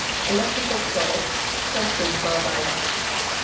ELECTRICAL PRODUCTS CALCIUM CARBIDE.